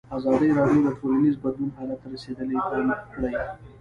ازادي راډیو د ټولنیز بدلون حالت ته رسېدلي پام کړی.